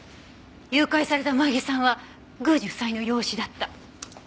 誘拐された萌衣さんは宮司夫妻の養子だった。